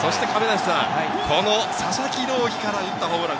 この佐々木朗希から打ったホームラン。